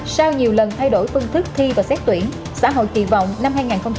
sau nhiều lần thay đổi phương thức thi và xét tuyển xã hội kỳ vọng năm hai nghìn hai mươi